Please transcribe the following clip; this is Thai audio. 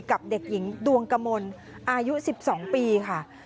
กับเด็กหญิงดวงกมลอายุ๑๒ปีค่ะ